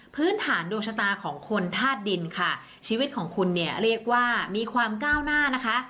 พื้นฐานดวงชะตาของคนธาตุดินค่ะชีวิตของคุณเนี่ยเรียกว่ามีความก้าวหน้านะคะ